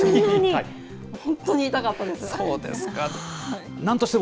本当に痛かったです。